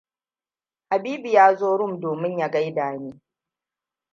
Habibu ya zo Rome domin ya gaida ni.